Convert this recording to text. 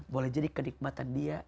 boleh jadi kenikmatan dia